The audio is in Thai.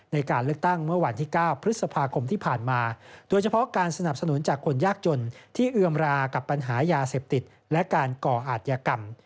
ในการเลือกตั้งเมื่อวันที่๙พฤษภาคมที่ผ่านมาโดยเฉพาะการสนับสนุนจากคนยากจนที่เอือมรากับปัญหายาเสพติดและการก่ออาจยกรรม